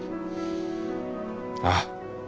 ああ。